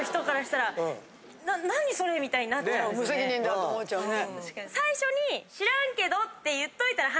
無責任だと思っちゃうね。